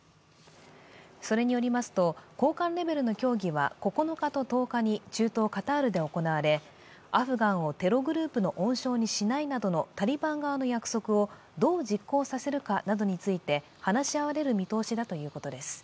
それによりますと高官レベルの協議は９日と１０日に中東カタールで行われ、アフガンをテログループの温床にしないなどのタリバン側の約束をどう実行させるかについてなど話し合われる予定だということです。